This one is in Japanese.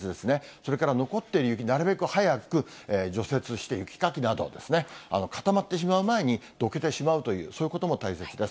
それから残っている雪、なるべく早く除雪して、雪かきなど、固まってしまう前にどけてしまうという、そういうことも大切です。